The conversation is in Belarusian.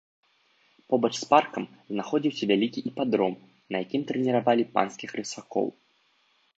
Побач з паркам знаходзіўся вялікі іпадром, на якім трэніравалі панскіх рысакоў.